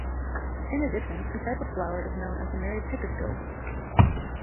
In addition, a type of flower is known as the Mary Pickersgill Rose.